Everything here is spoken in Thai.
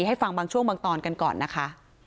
ให้ฟังบางช่วงบางตอนกันก่อนนะคะ